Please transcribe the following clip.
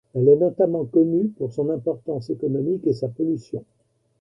Elle est notamment connue pour son importance économique et sa pollution.